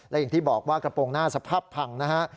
และอย่างที่บอกว่ากระโปรงหน้าสภาพพังนะฮะ